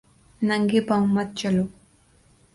ننگے پاؤں مت چلو